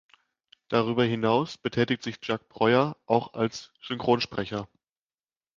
Darüber hinaus betätigt sich Jacques Breuer auch als Synchronsprecher.